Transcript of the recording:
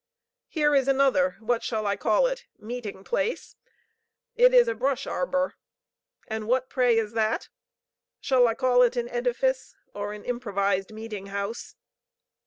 Here is another what shall I call it? meeting place. It is a brush arbor. And what pray is that? Shall I call it an edifice or an improvised meeting house?